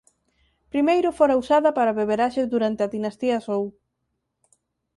Primeiro fora usada para beberaxes durante a dinastía Zhou.